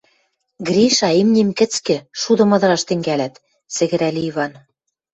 — Гриша, имним кӹцкӹ, шудым ыдыраш тӹнгӓлӓт! — сӹгӹрӓльӹ Иван.